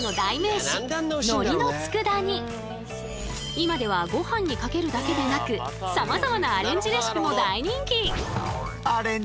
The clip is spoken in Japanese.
今ではごはんにかけるだけでなくさまざまなアレンジレシピも大人気！